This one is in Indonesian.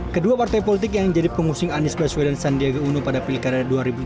kedua partai politik yang jadi pengusing anies baswedan sandiaga uno pada pilkada dua ribu tujuh belas